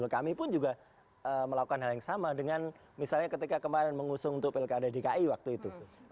kami pun juga melakukan hal yang sama dengan misalnya ketika kemarin mengusung untuk pilkada dki waktu itu